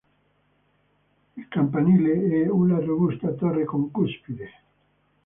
Il campanile è una robusta torre con cuspide.